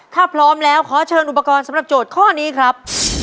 ถ้าพร้อมแล้วขอเชิญอุปกรณ์สำหรับโจทย์ข้อนี้ครับ